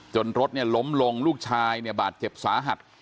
จนรถล้มลงลูกชายบาดเจ็บสาหัก